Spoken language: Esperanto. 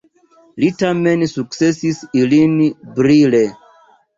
Li tamen sukcesis ilin brile.